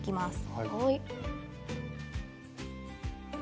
はい。